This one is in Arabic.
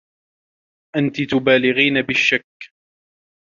أنتِ تبالغين بالشّك.